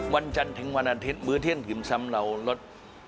วันจันทร์ถึงวันอาทิตย์มื้อเที่ยงพิมพ์ซ้ำเราลด